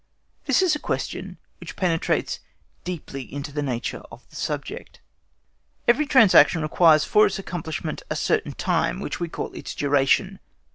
This is a question which penetrates deeply into the nature of the subject. Every transaction requires for its accomplishment a certain time which we call its duration.